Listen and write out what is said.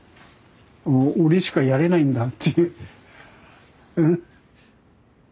俺しかやれないんだっていううん。